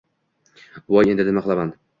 Voy, endi nima qilaman!